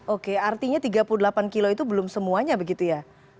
oke artinya tiga puluh delapan kilo itu belum semuanya begitu ya